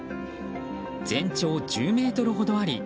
全長１０ｍほどあり